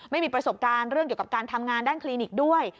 ไม่มีประสบการณ์เรื่องเกี่ยวกับการทำงานด้านคลินิกด้วย